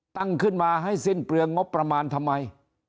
ตั้งขึ้นมาให้สิ้นเปลืองงบประมาณทำไม